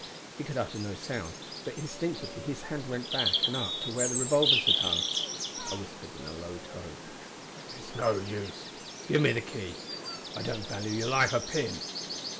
He could utter no sound, but instinctively his hand went back and up to where the revolvers had hung. I whispered in a low tone: "It's no use. Give me the key. I don't value your life a pin!"